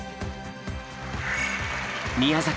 宮崎